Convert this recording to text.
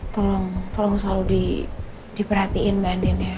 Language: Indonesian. tolong tolong selalu diperhatiin mbak din ya